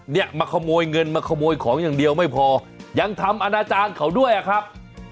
เนี่ยมาขโมยเงินมาขโมยของอย่างเดียวไม่พอยังทำอนาจารย์เขาด้วยอะครับ